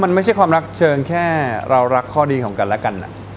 มันไม่ใช่ความรักเชิงแค่เรารักข้อดีของกันและกัน